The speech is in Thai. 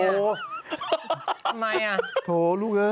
ทำไมล่ะโถ่ลูกเอิญ